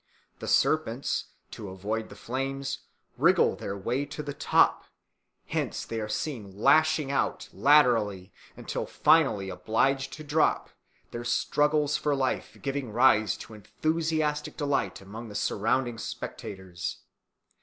The serpents, to avoid the flames, wriggle their way to the top, whence they are seen lashing out laterally until finally obliged to drop, their struggles for life giving rise to enthusiastic delight among the surrounding spectators.